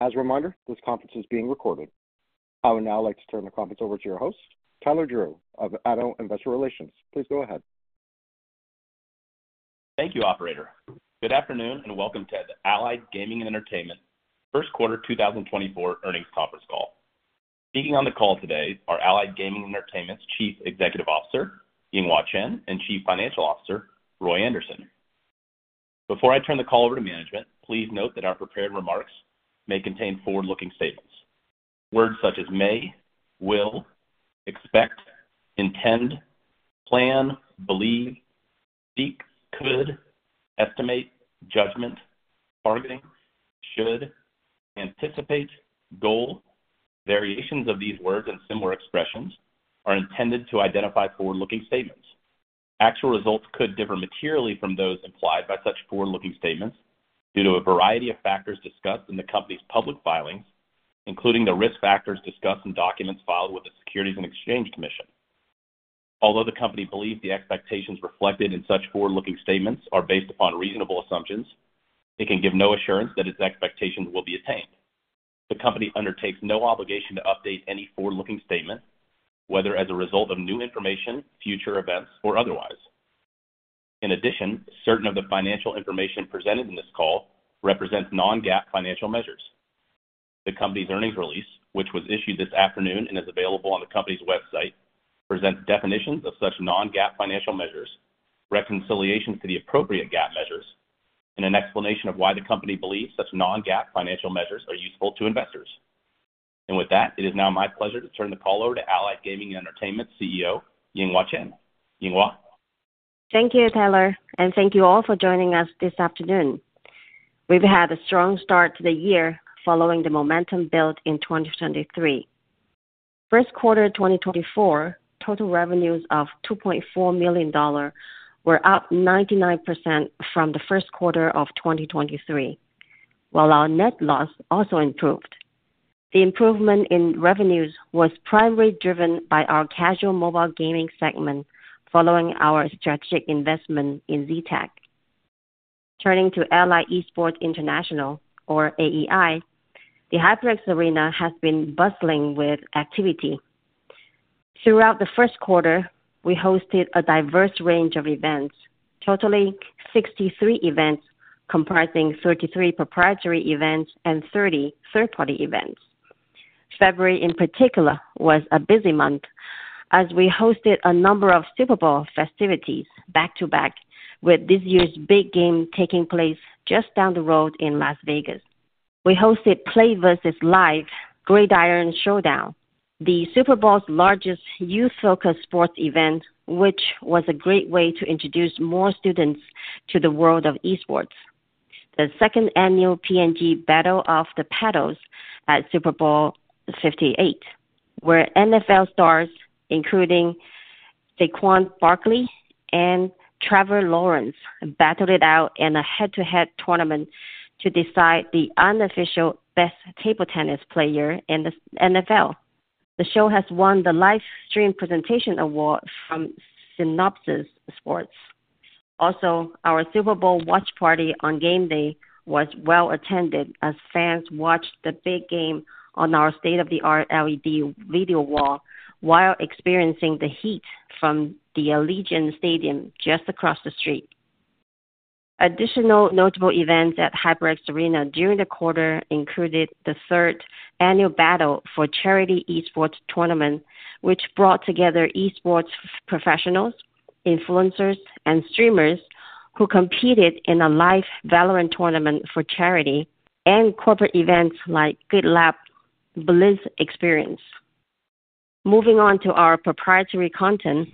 As a reminder, this conference is being recorded. I would now like to turn the conference over to your host, Tyler Drew of Addo Investor Relations. Please go ahead. Thank you, operator. Good afternoon, and welcome to the Allied Gaming & Entertainment first quarter 2024 earnings conference call. Speaking on the call today are Allied Gaming & Entertainment's Chief Executive Officer, Yinghua Chen, and Chief Financial Officer, Roy Anderson. Before I turn the call over to management, please note that our prepared remarks may contain forward-looking statements. Words such as may, will, expect, intend, plan, believe, seek, could, estimate, judgment, targeting, should, anticipate, goal, variations of these words and similar expressions, are intended to identify forward-looking statements. Actual results could differ materially from those implied by such forward-looking statements due to a variety of factors discussed in the company's public filings, including the risk factors discussed in documents filed with the Securities and Exchange Commission. Although the company believes the expectations reflected in such forward-looking statements are based upon reasonable assumptions, it can give no assurance that its expectations will be attained. The company undertakes no obligation to update any forward-looking statement, whether as a result of new information, future events, or otherwise. In addition, certain of the financial information presented in this call represents non-GAAP financial measures. The company's earnings release, which was issued this afternoon and is available on the company's website, presents definitions of such non-GAAP financial measures, reconciliation to the appropriate GAAP measures, and an explanation of why the company believes such non-GAAP financial measures are useful to investors. With that, it is now my pleasure to turn the call over to Allied Gaming & Entertainment CEO, Yinghua Chen. Yinghua? Thank you, Tyler, and thank you all for joining us this afternoon. We've had a strong start to the year following the momentum built in 2023. First quarter 2024, total revenues of $2.4 million were up 99% from the first quarter of 2023, while our net loss also improved. The improvement in revenues was primarily driven by our casual mobile gaming segment, following our strategic investment in Z-Tech. Turning to Allied Esports International, or AEI, the HyperX Arena has been bustling with activity. Throughout the first quarter, we hosted a diverse range of events, totaling 63 events, comprising 33 proprietary events and 30 third-party events. February, in particular, was a busy month as we hosted a number of Super Bowl festivities back-to-back, with this year's big game taking place just down the road in Las Vegas. We hosted PlayVS Live: Gridiron Showdown, the Super Bowl's largest youth-focused sports event, which was a great way to introduce more students to the world of Esports. The second annual P&G Battle of the Paddles at Super Bowl 58, where NFL stars, including Saquon Barkley and Trevor Lawrence, battled it out in a head-to-head tournament to decide the unofficial best table tennis player in the NFL. The show has won the Live Stream Presentation Award from Cynopsis Sports. Also, our Super Bowl watch party on game day was well attended as fans watched the big game on our state-of-the-art LED video wall while experiencing the heat from the Allegiant Stadium just across the street. Additional notable events at HyperX Arena during the quarter included the third annual Battle for Charity Esports Tournament, which brought together Esports professionals, influencers, and streamers who competed in a live VALORANT tournament for charity and corporate events like GoodLab Blizz Experience. Moving on to our proprietary content,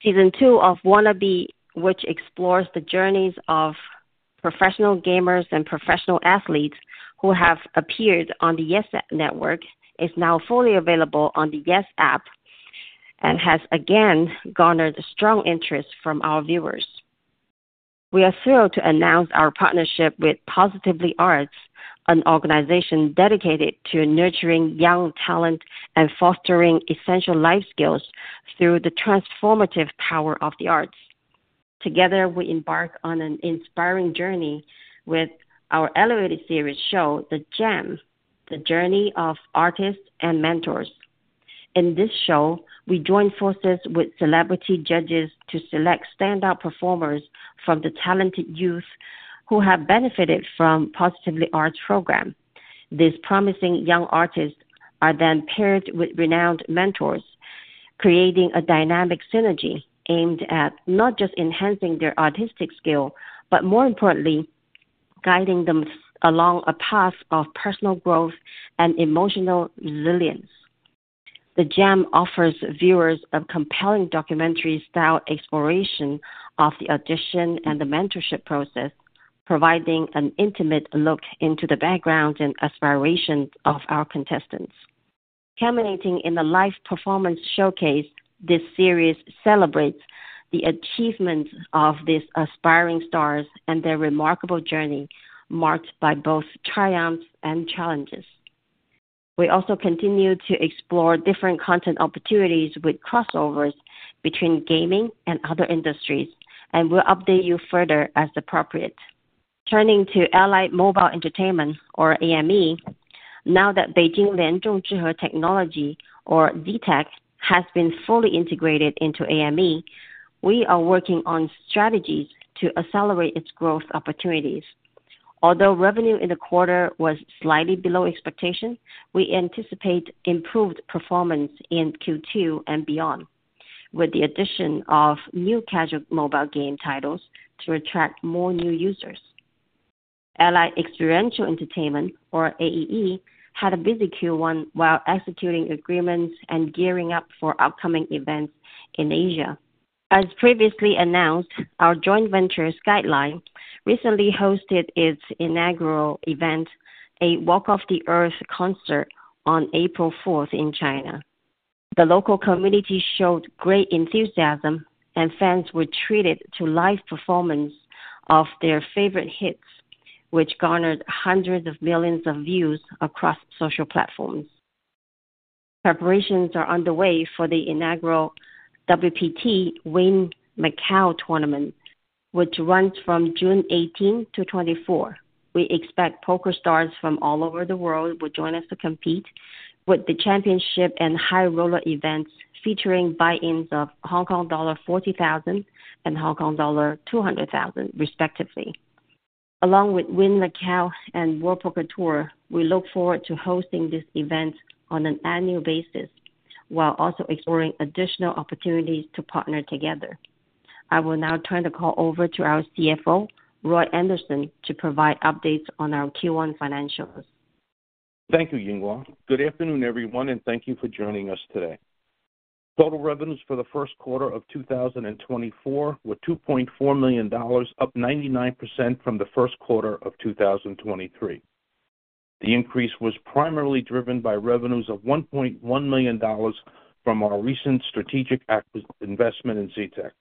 season two of Wanna Be, which explores the journeys of professional gamers and professional athletes who have appeared on the YES Network, is now fully available on the YES App and has again garnered strong interest from our viewers. We are thrilled to announce our partnership with Positively Arts, an organization dedicated to nurturing young talent and fostering essential life skills through the transformative power of the arts. Together, we embark on an inspiring journey with our elevated series show, The GEM: The Journey of Artists and Mentors. In this show, we join forces with celebrity judges to select standout performers from the talented youth who have benefited from Positively Arts program. These promising young artists are then paired with renowned mentors, creating a dynamic synergy aimed at not just enhancing their artistic skill, but more importantly, guiding them along a path of personal growth and emotional resilience. The GEM offers viewers a compelling documentary-style exploration of the audition and the mentorship process, providing an intimate look into the background and aspirations of our contestants. Culminating in the live performance showcase, this series celebrates the achievements of these aspiring stars and their remarkable journey, marked by both triumphs and challenges. We also continue to explore different content opportunities with crossovers between gaming and other industries, and we'll update you further as appropriate. Turning to Allied Mobile Entertainment, or AME, now that Beijing Lianzhong Zhihe Technology, or Z-Tech, has been fully integrated into AME, we are working on strategies to accelerate its growth opportunities. Although revenue in the quarter was slightly below expectation, we anticipate improved performance in Q2 and beyond, with the addition of new casual mobile game titles to attract more new users. Allied Experiential Entertainment, or AEE, had a busy Q1 while executing agreements and gearing up for upcoming events in Asia. As previously announced, our joint venture, Skyline, recently hosted its inaugural event, a Walk Off the Earth concert, on April 4th in China. The local community showed great enthusiasm, and fans were treated to live performance of their favorite hits, which garnered hundreds of millions of views across social platforms. Preparations are underway for the inaugural WPT Wynn Macau Tournament, which runs from June 18-24. We expect poker stars from all over the world will join us to compete with the championship and high roller events, featuring buy-ins of Hong Kong dollar 40,000 and Hong Kong dollar 200,000, respectively. Along with Wynn Macau and World Poker Tour, we look forward to hosting this event on an annual basis, while also exploring additional opportunities to partner together. I will now turn the call over to our CFO, Roy Anderson, to provide updates on our Q1 financials. Thank you, Yinghua. Good afternoon, everyone, and thank you for joining us today. Total revenues for the first quarter of 2024 were $2.4 million, up 99% from the first quarter of 2023. The increase was primarily driven by revenues of $1.1 million from our recent strategic investment in Z-Tech.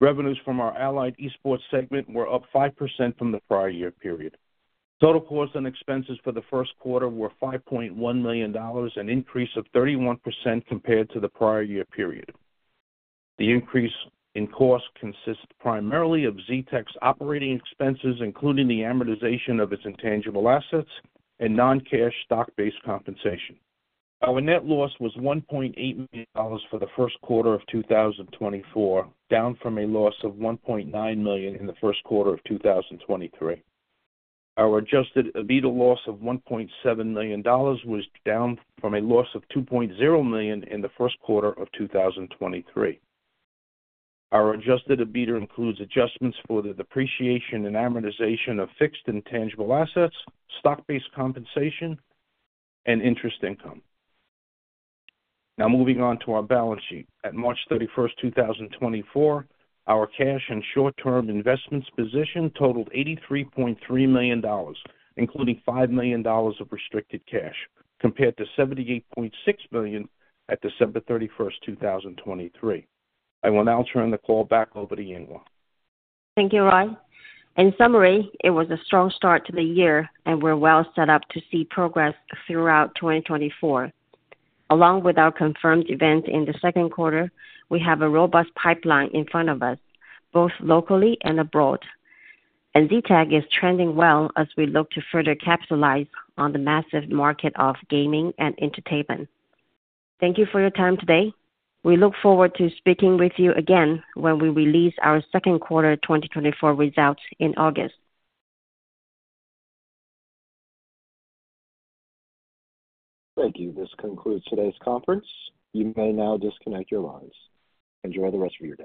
Revenues from our Allied Esports segment were up 5% from the prior year period. Total costs and expenses for the first quarter were $5.1 million, an increase of 31% compared to the prior year period. The increase in cost consists primarily of Z-Tech's operating expenses, including the amortization of its intangible assets and non-cash stock-based compensation. Our net loss was $1.8 million for the first quarter of 2024, down from a loss of $1.9 million in the first quarter of 2023. Our Adjusted EBITDA loss of $1.7 million was down from a loss of $2.0 million in the first quarter of 2023. Our Adjusted EBITDA includes adjustments for the depreciation and amortization of fixed intangible assets, stock-based compensation, and interest income. Now moving on to our balance sheet. At March 31, 2024, our cash and short-term investments position totaled $83.3 million, including $5 million of restricted cash, compared to $78.6 million at December 31, 2023. I will now turn the call back over to Yinghua. Thank you, Roy. In summary, it was a strong start to the year, and we're well set up to see progress throughout 2024. Along with our confirmed events in the second quarter, we have a robust pipeline in front of us, both locally and abroad, and Z-Tech is trending well as we look to further capitalize on the massive market of gaming and entertainment. Thank you for your time today. We look forward to speaking with you again when we release our second quarter 2024 results in August. Thank you. This concludes today's conference. You may now disconnect your lines. Enjoy the rest of your day.